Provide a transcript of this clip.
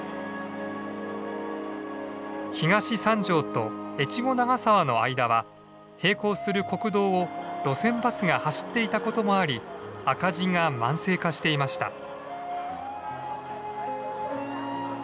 東三条と越後長沢の間は並行する国道を路線バスが走っていたこともあり赤字が慢性化していました。